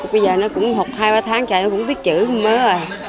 bây giờ nó cũng học hai ba tháng chạy nó cũng biết chữ mới rồi